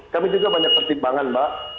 kami juga banyak pertimbangan mbak